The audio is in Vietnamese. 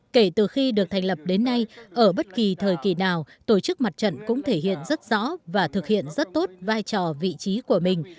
kể từ khi được thành lập đến nay ở bất kỳ thời kỳ nào tổ chức mặt trận cũng thể hiện rất rõ và thực hiện rất tốt vai trò vị trí của mình